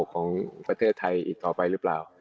ของประเทศไทยอีกต่อไปหรือเปล่า